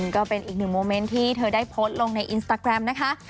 ก็เป็นอีกหนึ่งโมเมนต์ที่เธอได้โพสต์ลงในอินสตาแกรมนะคะ